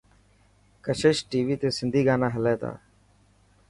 ڪشش ٽي وي تي سنڌي گانا هلي تا.